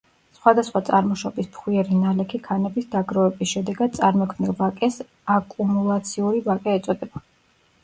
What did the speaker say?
სხვადასხვა წარმოშობის ფხვიერი ნალექი ქანების დაგროვების შედეგად წარმოქმნილ ვაკეს აკუმულაციური ვაკე ეწოდება.